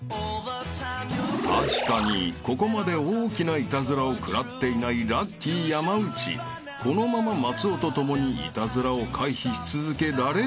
［確かにここまで大きなイタズラを食らっていないラッキー山内このまま松尾と共にイタズラを回避し続けられるのか？］